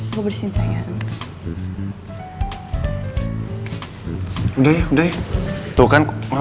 aku bersihin sayang